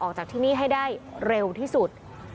ออกจากที่นี่ให้ได้เร็วที่สุด